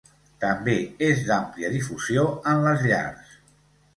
També és d'àmplia difusió en les llars.